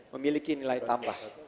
memiliki nilai tambah